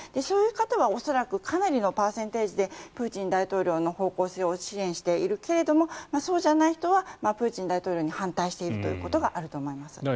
そういう方は恐らくかなりのパーセンテージでプーチン大統領の方向性を支援しているけれどもそうじゃない人はプーチン大統領に反対しているということがあると思います。